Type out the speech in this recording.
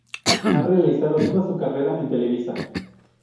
Ha realizado toda su carrera en Televisa.